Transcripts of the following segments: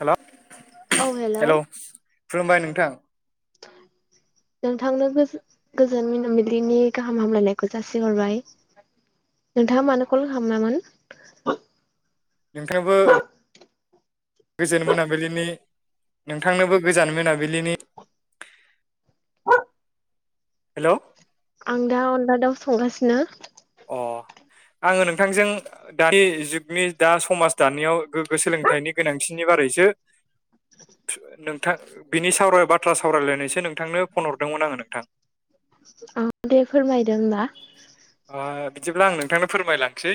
हेल'। औ hello hello खुलुमबाय नोंथां। नोंथांनो गोजो गोजोन मिाबिलिनि गाहाम हामलायनायखौ जासिहरबाय नोंथाङा मानो कल खामलामोन। नोंथांबो गोजोन मोनाबिलिनि नोंथांनोबो गोजान मोनाबिलिनि। हेल'। आं दा अनला दउ संगासिनो। अ आङो नोंथांजों दानि जुगनि दा समाज दानियाव गोग्गो सोलोंथाइनि गोनांथिनि बारैसो नोंथां बिनि सावराय बाथ्रा सावरायलायनायसो नोंथांनो फन हरदोंमोन आङो नोंथां। औ दे फोरमायदो ओनबा। ओ बिदिब्ला आं नोंथांनो फोरमायलांसै।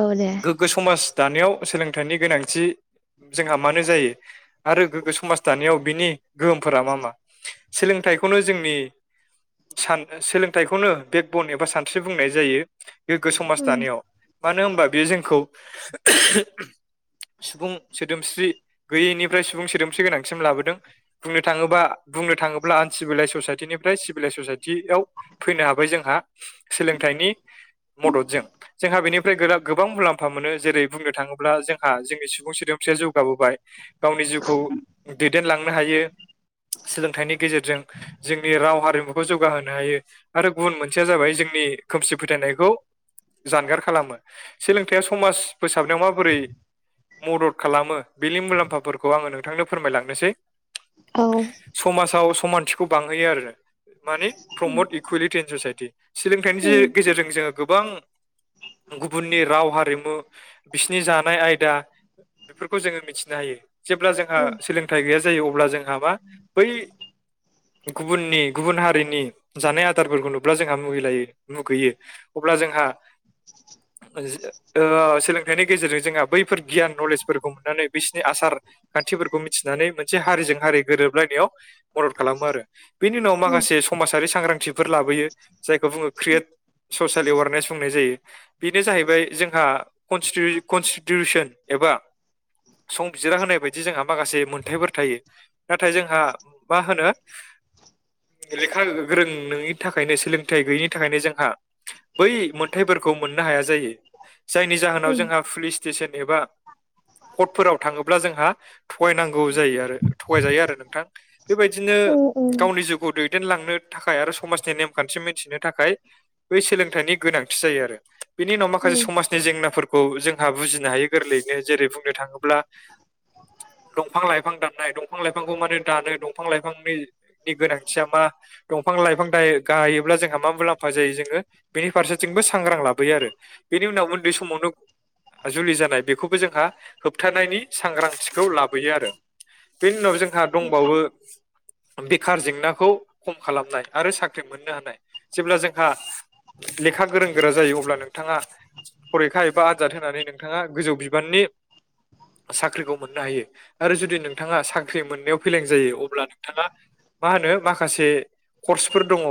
औ दे गोग्गो समाज। दानायाव सोलोंथाइनि गोनांथि। जोंहा मानो जायो। आरो गोग्गो समाज दानायाव बिनि गोहोमफोरा मा मा सोलोंथाइखौनो जोंनि सान सोलोंथाइखौनो बेक बन एबा बबा सानस्रि बुंनाय जायो। गोग्गो समाज दानायाव। मानो होनबा बेयो जोंखौ सुबुं सोदोमस्रि गैयैनिफ्राय सुबुं सोदोमस्रि गोनांसिम लाबोदों बुंनो थाङोब्ला बुंनो थाङोब्ला आनसिभिलाइस ससाइटिनिफ्राय सिभिलाइस ससाइटियाव फैनो हाबाय जोंहा। सोलोंथाइनि मददजों जोंहा बेनि। बे गोबा गोबां मुलाम्फा मोनो जेरै बुंनो थाङोब्ला जोंहा जोंनि सुबुं सोदोमस्रिया जौगाबो‌बाय। गावनि जिउखौ दै। दैदेनलांनो हायो सोलोंथाइनि गेजेरजों जोंनि राव हारिमुखौ जौगाहोनो हायो आरो गुबुन मोनसे। ओंथिया जाबाय जोंनि खोमसि फोथायनायखौ जानगार खालामो सोलोंथाइया समाज फोसाबनायाव माबोरै मदद खालामो बेनि मुलाम्फाफोरखौ आङो नोंथांनो फोरमायलांनोसै। समाजाव समानथि। खौ बांहोयो आरो। मानि प्रमट इकुवेलिटन ससाइटि। सोलोंथाइनि जि गेजेरजों। जोङो गोबां गुबुननि राव हारिमु बिसिनि जानाय आयदा बेफोरखौ जोङो मिथिनो हायो। जेब्ला जोंहा सोलोंथाइ गैया जायो अ। अब्ला जोंहा मा बै गुबननि गुबुन हारिनि जानाय आदारफोरखौ नु। अब्ला जोंहा मुहिलायो मुगैयो अब्ला जोंहा जो ओ सोलोंथाइनि गेजेरजों जोंहा बैफोर गियान नलेजफोरखौ मोननानै बिसिनि आसार खान्थिफोरखौ मिथिनानै मोनसे हारिजों हारि गोरोबलायनायाव मदद खालामो आरो बेनि उनाव माखासे समाजारि सांग्रांथिफोर लाबोयो। जायखौ बुङो क्रियेट ससियल एवारनेस बुंनाय जायो बेनो जाहैबाय जोंहा कस्टिटिउ कनस्टिटिउसन एबा संबिजिरा होनाय बायदि जोंहा माखासे मोनथायफोर थायो नाथाय जोंहा मा होनो लेखा गोरों नोंनि थाखा। थाखायनो सोलोंथाइ गैयैनि थाखायनो जोंहा बै मोनथाइफोरखौ मोननो हाया जायो जायनि जाहोनाव जोंहा पुलिस स्टेसन एबा कर्टफोराव थाङोब्ला जोंहा थगायनांगौ जायो आरो थगायजायो आरो नोंथां बेबायदिनो गावनि जिउखौ दैदेनलांनो थाखाय आरो समाजनि नेम। खान्थि मिथिनो थाखाय बै सोलोंथाइनि गोनांथि जायो आरो। बिनि उनाव माखासे समाजनि जेंनाफोर। खौ जोंहा बुजिनो हायो गोरलैयैनो जेरै बुंनो थाङोब्ला दंफां लाइफां दाननाय दंफां लाइफांखौ मानो दानो दंफां लाइफांनि गोनांथिया मा दंफां लाइफां दायो। गायोब्ला जोंहा मा मुलाम्फा जायो जोङो बेनि फारसेथिंबो सांग्रां लाबोयो आरो बेनि उनाव उन्दै समावनो जुलि जानाय बेखौबो जोंहा होबथानायनि सांग्रांथिखौ लाबोयो आरो बेनि उनाव जों। जहा दंबावो। बेखार जेंनाखौ खम खालामनाय आरो साख ख्रि मोननो हानाय जेब्ला जोंहा लेखा गोरों गोरा जायो अब्ला नोंथाङा फरिखा एबा आजाद होनानै नोंथाङा गोजौ बिबाननि साख्रिखौ मोननो हायो आरो जुदि नोंथाङा साख्रि मोननायाव फेलें जायो अब्ला नोंथाङा मा होनो माखासे कर्स फोर दङ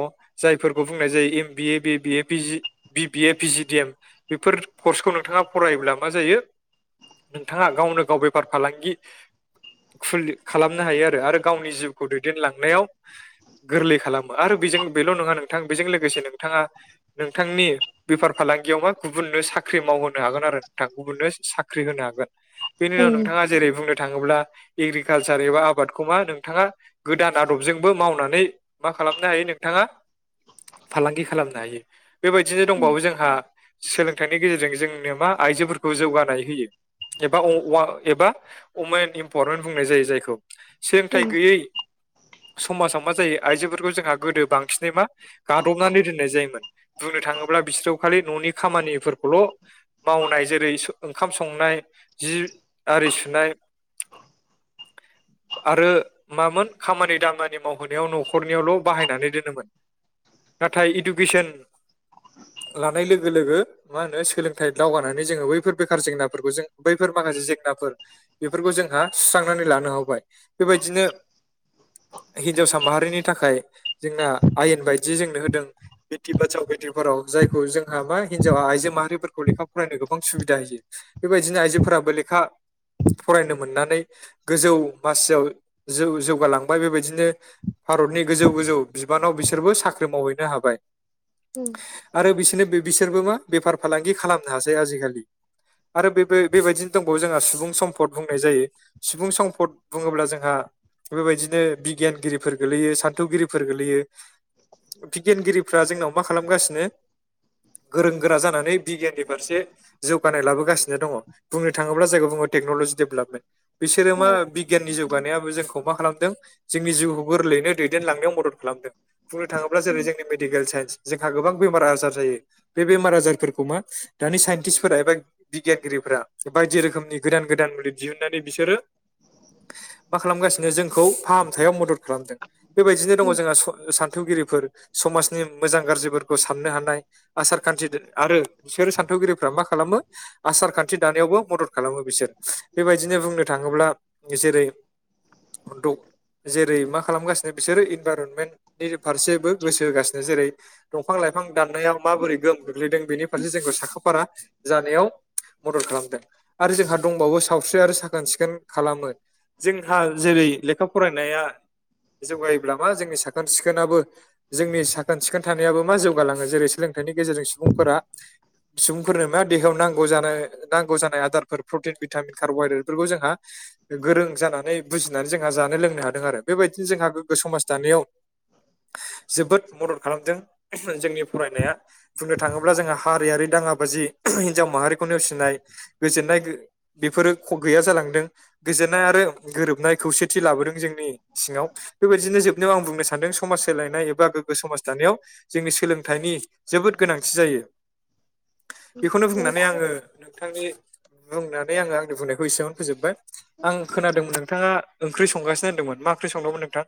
जायफोरखौ बुंनाय जायो M B A B B A P G B B A P G D M बेफोर कर्सखौ नोंथाङा फरायोब्ला मा जायो नोंथाङा गावनो गाव बेफार फालांगि खुलि खालामनो हायो आरो आरो गावनि जिउखौ दैदेनलांनायाव गोरलै खालाम। आरो बेजों बेल' नङा नोंथां बेजों लोगोसे नोंथाङा नोंथांनि बेफार फालांगियाव मा गुबुननो साख्रि मावहोनो हागोन आरो नोंथां गुबुननो साख्रि होनो हागोन। बेनि उनाव नोंथाङा जेरै बुंनो थाङोब्ला एग्रिकालसार एबा आबादखौ मा नोंथाङा गोदान आदबजोंबो मावनानै मा खालाम ना हायो नोंथाङा फालांगि खालामनो हायो। बेबायदिनो दंबावो जोंहा सोलोंथाइनि गेजेरजों जों नो मा आइजोफोरखौ जौगानाय होयो एबा अ वा एबा वमेन इम्पररेन्ट बुंनाय जायो जायखौ। सोलोंथाय गैयै समाजाव मा जायो आइजोफोरखौ जों हा गोदो बांसिनै मा गादबनानै दोननाय जायोमोन, बुंनो थाङोब्ला बिसोरखौ खालि न'नि खामानिफोरखौल' मावनाय जेरै सो ओंखाम संनाय जि आरि सुनाय आरो मामोन खामानि दामानि मावहोनायाव न'खरनियावल' बाहायनानै दोनोमोन। नाथाय इडुकेसन लानाय लोगो लोगो मा होनो सोलोंथाइ दावगानानै जोङो बैफोर बेखार जेंनाफोरखौ जों बैफोर माखासे जेंनाफोर बेफोरखौ जोंहा सुस्रांनानै लानो हाबाय बेबायदिनो हिनजावसा माहारिनि थाखाय जोंना आयेन बायदि जोंनो होदों बेथि बासाव बेथि फोराव। जायखौ जोंहा मा हिनजावा आइजो माहारिफोरखौ लेखा फरायनो गोबां सुबिदा होयो बेबायदिनो आइजोफोराबो लेखा फरायनो मोननानै गोजौ मासियाव जौ-जौगालांबाय बेबायदिनो भारतनि गोजौ गोजौ बिबानाव बिसोरबो साख्रि मावहैनो हाबाय। आरो बिसोरनो बे बिसोरबो मा बेफार फालांगि खालामनो हासै आजिखालि। आरो बेबो बेबायदिनो दंबावो जोंहा सुबुं सम्पद बुंनाय जायो सुबुं सम्फद बुङोब्ला जोंहा बेबायदिनो बिगियानगिरिफोर गोलैयो साद थौगिरिफोर गोलैयो, बिगियानगिरिफ्रा जोंनाव मा खालामगासिनो गोरों गोरा जानानै बिगियाननि फारसे जौगानाय लाबोगासिनो दङ बुंनो थाङोब्ला जायगखौ बुङो टेक्न'लजि डेभेलपमेन्ट। बिसोरो मा बिगियाननि जौगानायाबो जोंखौ मा खालामदों जोंनि जिउखौ गोरलैयैनो दैदांनायाव मदद खालामदों। बुंनो थाङोब्ला जेरै जोंनि मेडिकेल साइन्स जोंहा गोबां बेमार आजार जायो बे बेमार आजारफोरखौ मा दानि साइन्टिस्टफोरा एबा बिगियानगिरिफोरा बायदि रोखोमनि गोदान गोदान मुलिद दिहुनन्नानै बिसोरो मा खालामगासिनो जोंखौ फाहामथायाव मदद खालामदों। बेबायदिनो दङ जोंहा स- सान थौगिरिफोर समाजनि मोजां गाज्रिफोरखौ साननो हानाय आसार खान्थि दोरो आरो बिसोर सान्थौगिरिफ्रा मा खालामो आसार खान्थि दानायावबो मदद खालामो बिसोर। बेबायदिनो बुंनो थाङोब्ला जेरै द जेरै मा खालामगासि नो बिसोरो इनभाइरनमेन्टनि फारसेबो गोसो होगासिनो जेरै दंफां लाइफां दाननायाव माबोरै गोहोम गोग्लैदों बेनि फारसे जोंखौ साखा फारा जानायाव मदद खालामदों। आरो जोंहा दंबावो सावस्रि आरो साखोन सिखोन खालामो जोंहा जेरै लेखा फरायनाया जौगायोब्ला मा जोंनि साखोन सिखोनाबो जोंनि साखोन सिखोन थानायाबो मा जौगालाङो जेरै सोलोंथाइनि गेजेरजों सुबुंफोरा सुबुंफोरनो मा देहायाव नांगौ जानाय नांगौ जानाय आदारफोर प्रटिन भिटामिन कारवहाइरेटफोरखौ जोंहा गोरों जानानै बुजिनानै जोंहा जानो लोंनो हादों आरो बेबाय जोंहा गोग्गो समाज दानायाव जोबोद मदद खालामदों जोंनि फरायनाया बुंनो थाङोब्ला जोंहा हारियारि दाङाबाजि हिनजाव माहारिखौ नेवसिनाय गोजोननाय गो बेफोरो ख गैया जालांदों गोजोननाय आरो गोरोबनाय खौसेथि लाबोदों जोंनि सिङाव बेबायदिनो जोबनायाव आं बुंनो सान्दों समाज सोलायनाय एबा गोग्गो समाज दानायाव जोंनि सोलोंथाइनि जोबोद गोनांथि जायो। बेखौनो बुंनानै आङो नोंथांनि बुंनानै आङो आंनि बुंनायखौ एसेबां फोजोबबाय। आं खोनादोंमोन नोंथाङा ओंख्रि संगानो होनदोंमोन मा ख्रि संदोंमोन नोंथां?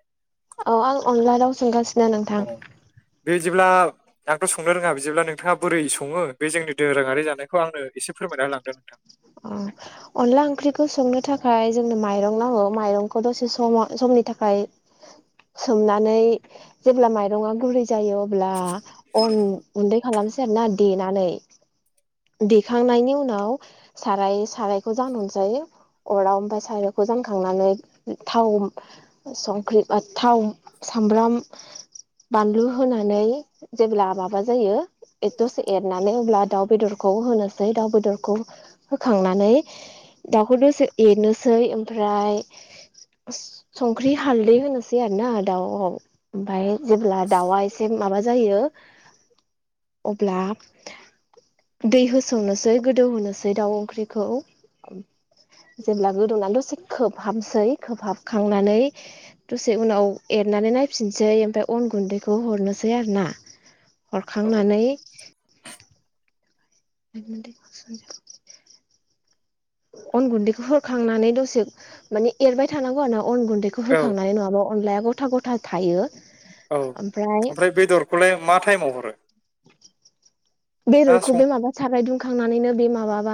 औ आं अनला दाव सोंगासिनो नोंथां। बेदिब्ला आंथ' संनो रोङा बिदिब्ला नोंथाङा बोरै सङो बे जोंनि दोरोङारि जानायखौ आंनो एसे फोरमायना होलांदो नोंथां। अ अनला ओंख्रिखौ संनो थाखाय जोंनो माइरं नांगौ माइरंखौ दसे सम- समनि थाखाय सोमनानै जेब्ला माइरङा गुरै जायो अब्ला अन उन्दै खालामसै आरोना देनानै देखांनायनि उनाव साराय साराय खौ जानहरसै अराव ओमफाय सायखौ जानखांनानै थाव संख्रि बा थाव सामब्राम बानलु होनानै जेब्ला माबा जायो एद दसे एरनानै अब्ला दाउ बेदरखौ होनोसै दाउ बेदरखौ होखांनानै दाउखौ दसे एरनोसै ओमफ्राय संख्रि हालदै होनोसै आरो ना दाउ वाव ओमफाय जेब्ला दाववा एसे माबा जायो अब्ला दै होसावनोसै गोदौहोनोसै दाउ ओंख्रिखौ जेब्ला गोदौनानै दसे खोबहाबसै खोबहाबखांनानै दसे उनाव एरनानै नायफिनसै ओमफाय अन गुन्दैखौ हरनोसै आरोना। औ हरखांनानै [unintelligible] अन गुन्दैखौ होखांनानै दसे माने एरबाय थानांगौ आनाव अन गुन्दैखौ औ होखांनानै नङाबा अनलाया गथ ग'था ग'था थायो औ ओमफ्राय बेदरखौलाय मा टाइमाव हर रो बेदरखौ बे माबा साराय दुंखांनानैनो बे माबाबा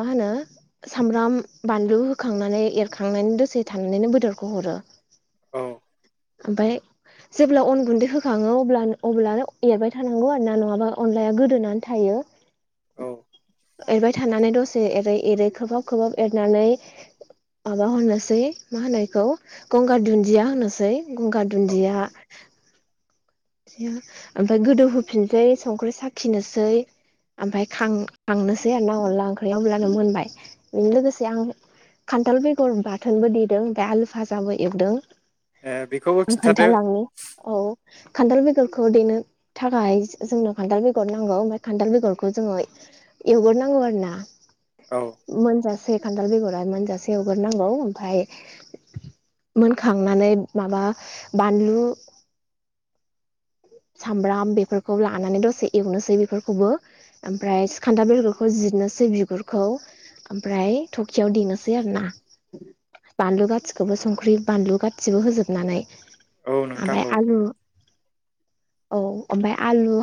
मा होनो सामब्राम बानलु होखांनानै एरखांनानै दसे थानानैनो बेदरखौ हरो औ ओमफाय जेब्ला अन गुन्दै होखाङो अब्ला अब्लानो एरबाय थानांगौ आरो ना नङाबा अनलाया गोदोनानै थायो औ एरबाय थानानै दसे एरै एरै खोबहाब खोबहाब एरनानै माबा होनोसै मा होनो इखौ गंगार दुन्दिया होनोसै गुंगार औ दुन्दिया ओमफाय गोदौ होफिनसै संख्रि साखिनोसै ओमफाय खांनोसै आरो ना अनला ओंख्रिया अब्लानो मोनबाय लोगोसे आं खान्थाल बेगर बाथोनबो देदों ओमफ्राय आलु फाजाबो एवदों ए बेखौबो आं खिन्थादो खोन्थालांनि [unintelligible] [inaudible] खान्थाल बेगरखौ देनो थाखाय जोंनो खान्थाल बेगर नांगौ ओमफ्राय खान्थाल बेगरखौ जोङो एवग्रोनांगौ आरो ना औ मोनजासे खान्थाल बेगरा मोनजासे एवग्रोनांगौ ओमफाय [inaudible] मोनखांनानै माबा बानलु सामब्राम बेफोरखौ लानानै दसे एवनोसै बेफोरखौबो ओमफ्राय खान्थाल बेगरखौ जिरनोसै बिगुरखौ ओमफ्राय थबसियाव देनोसै आरो ना बानलु गासिखौबो संख्रि बानलु गासिबो होजोबनानै औ नोंथां ओमफ्राय औ आलु औ ओमफाय आलु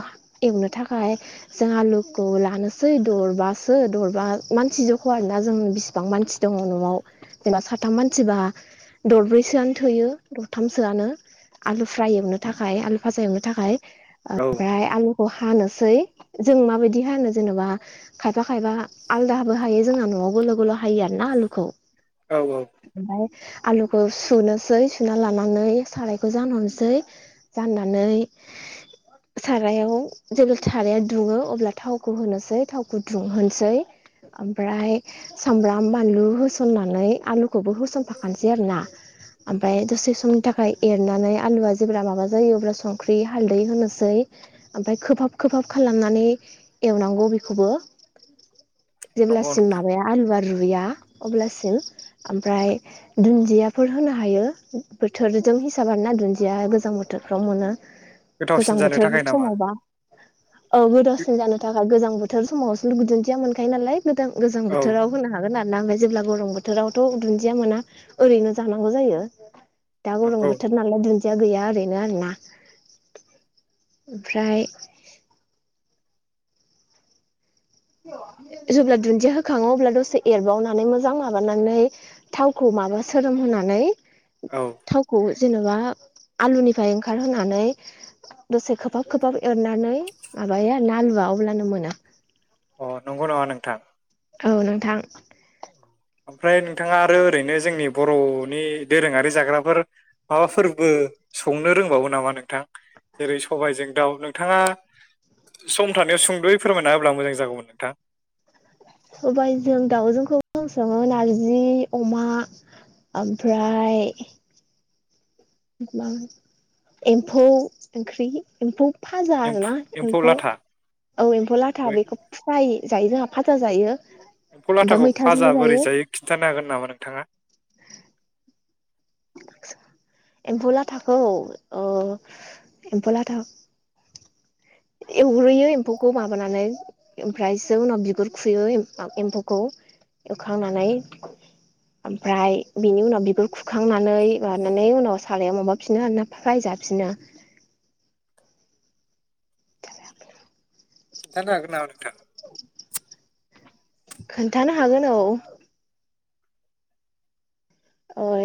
एवनो थाखाय जों आलुखौ लानोसै दरबासो दरबा मानसि जख' आरोना जों बिसिबां मानसि दङ न'आव जेनेबा साथाम मानसिबा दरब्रैसोआनो थोयो दरथामसोआनो आलु फ्राय एवनो थाखाय आलु फाजा एवनो थाखाय औ ओमफ्राय आलु हानोसै जों माबायदि हानो जेन'बा खायफा खायफा आलदाबो हायो जोंहा न'आवबो गोलाव गोलाव हायो आरोना आलुखौ औ औ ओमफ्राय आलुखौ सुनोसै सुना लानानै सारायखौ जानहरनोसै जाननानै सारायाव जेब्ला साराया दुङो अब्ला थावखौ होनोसै थावखौ दुंहोनसै ओमफ्राय सामब्राम बानलु होसननानै आलुखौबो होसनफाखानोसै आरो ना ओमफाय दसे समनि थाखाय एरनानै आलुआ जेब्ला माबा जायोब्ला संख्रि हालदै होनोसै ओमफ्राय खोबहाब खोबहाब खालामनानै एवनांगौ बेखौबो नंगौ जेब्लासिम नोंथां माबाया आलुआ रु गुया अब्लासिम ओमफ्राय दुन्दियाफोर होनो हायो बोथोरजों हिसाब आरो ना दुन्दिया गोजां बोथोर फोथोरफ्राव मोनो गोजां गोथावसिन जानो बोथोर थाखाय नामा समावबा औ गोथावसिन जानो थाखाय गोजां बोथोर [unintelligible] दुन्दिया मोनखायो नालाय [unintelligible] गोजां औ बोथोराव होनो हागोन आरो ना जेब्ला गरम बोथोरावथ' दुन्दिया मोना ओरैनो जानांगौ जायो दा गरम नंगौ बोथोर नालाय दुन्दि दा गैया आरो आरोना [inaudible] ओमफ्राय जेब्ला दुन्दिया होखाङो अब्ला दसे एरबावनानै मोजां माबानानै थावखौ माबा सोरोमहानै औ थावखौ जेन'बा आलुनिफ्राय ओंखारहोनानै दसे खोबहाब खोबहाब एरनानै माबायो आरोना आलुआ अब्लानो मोना। अ नंगौ नामा नोंथां। औ नोंथां। ओमफ्राय नोंथाङा आरो ओरैनो जोंनि बर'नि दोरोङारि जाग्राफोर माबाफोरबो संनो रोंबावो नामा नोंथां? जेरै सबायाइजों दाउ नोंथाङा सम थानायाव सुंद'यै फोरमायना होब्ला मोजां जागौमोन नोंथां। सबाइ जों दाउजोंखौ जों संङो नारजि अमा ओमफ्राय बा एम्फौ ओंख्रि एम्फौ फाजा एम्फौ आरोना एम्फौ लाथा औ एम्फौ लाथा बेखौ फ्राय जायो जोंहा। फाजा जायो फौ ओमफ्राय लाथाखौ मैथाजोंबो फाजा बोरै जायो खिन्थानो हागोन नामा नोंथांङा? एम्फौ लाथाखौ ओ एम्फौ लाथा एवग्रोयो एम्फौखौ माबानानै ओमफ्रायसो उनाव बिगुर खुयो एम्फौखौ एवखांनानै ओमफ्राय बिनि उनाव बिगुर खुखांनानै लानानै उनाव सारायाव माबाफिनो आरोना फ्राय जाफिनो। [unintelligible] थानो हागोन नामा नोंथां? खोन्थानो हागोन औ। ओ